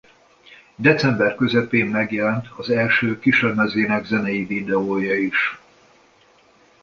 December közepén megjelent az első kislemezének zenei videója is.